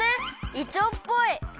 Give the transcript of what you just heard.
いちょうっぽい！